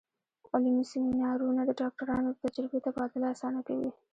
علمي سیمینارونه د ډاکټرانو د تجربې تبادله اسانه کوي.